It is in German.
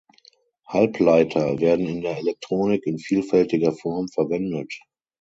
Halbleiter werden in der Elektronik in vielfältiger Form verwendet.